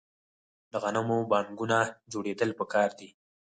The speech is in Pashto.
د غنمو بانکونه جوړیدل پکار دي.